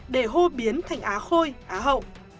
để hô biến thành á khôi á hậu